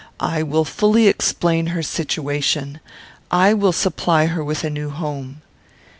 I will fully explain her situation. I will supply her with a new home."